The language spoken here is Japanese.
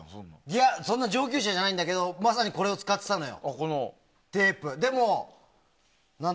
いや、そんな上級者じゃないんだけどまさにこれを使ってたのよ。